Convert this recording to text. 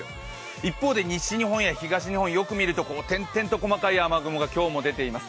一方で西日本や東日本、よく見ると雨雲が点々と今日も出ています。